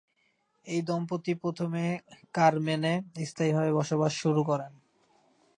এই দম্পতি প্রথমে কারমেনে স্থায়ীভাবে বসবাস শুরু করেন।